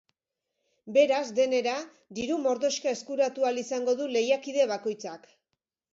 Beraz, denera, diru mordoxka eskuratu ahal izango du lehiakide bakoitzak.